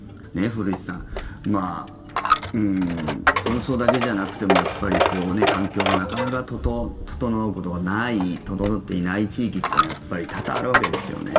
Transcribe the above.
古市さん紛争だけじゃなくても環境がなかなか整うことがない整っていない地域っていうのはやっぱり多々あるわけですよね。